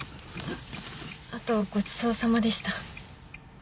あとごちそうさまでした。